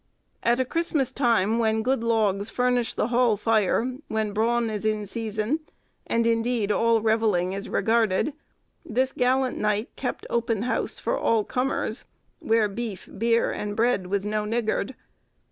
"At a Christmas time, when good logs furnish the hall fire, when brawne is in season, and indeed all reveling is regarded, this gallant knight kept open house for all commers, where beefe, beere, and bread was no niggard.